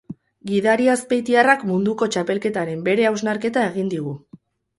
Gidari azpeitiarrak munduko txapelketaren bere hausnarketa egin digu.